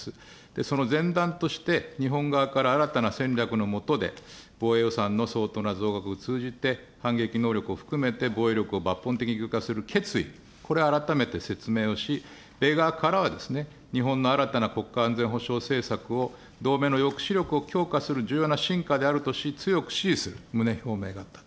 その前段として、日本側から新たな戦略の下で、防衛予算の相当な増額を通じて、反撃能力を含めて防衛力を抜本的に強化する決意、これを改めて説明をし、米側からは、日本の新たな国家安全保障政策を、同盟の抑止力を強化する重要なしんかであるとし、強く支持する旨、があったと。